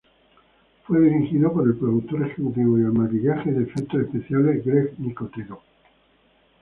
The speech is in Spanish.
Fue dirigido por el productor ejecutivo y el maquillaje de efectos especiales Greg Nicotero.